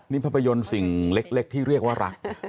นี่ภาพยนตร์สิ่งเล็กที่เรียกว่ารัก